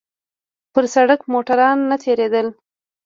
پر سړک موټران نه تېرېدل.